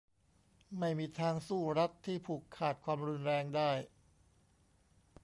ไม่มีทางสู้รัฐที่ผูกขาดความรุนแรงได้